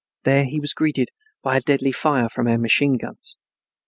There he was greeted by a deadly fire from our machine guns.